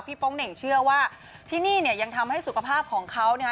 โป๊งเหน่งเชื่อว่าที่นี่เนี่ยยังทำให้สุขภาพของเขานะฮะ